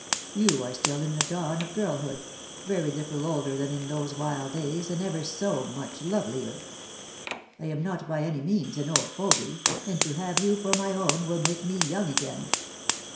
You are still in the dawn of girlhood, very little older than in those wild days, and ever so much lovelier. I am not by any means an old fogey, and to have you for my own will make me young again.